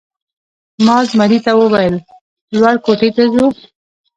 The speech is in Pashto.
ما زمري ته وویل: لوړ کوټې ته ځو؟